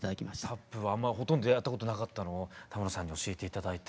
タップはほとんどやったことなかったのを玉野さんに教えて頂いて。